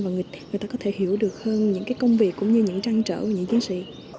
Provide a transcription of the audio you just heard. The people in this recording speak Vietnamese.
và người ta có thể hiểu được hơn những công việc cũng như những trăng trở của những chiến sĩ